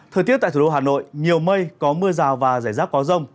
thời tiết tại thủ đô hà nội nhiều mây có mưa rào và rải rác có rông